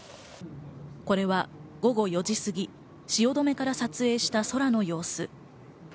これは午後４時過ぎ、汐留から撮影した空の様子。